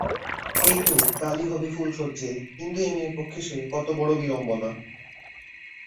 এই তো কালই হবে ফুলশয্যে, কিন্তু এ মেয়ের পক্ষে সে কতবড়ো বিড়ম্বনা!